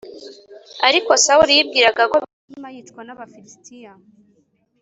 Ariko Sawuli yibwiraga ko bizatuma yicwa n’Abafilisitiya.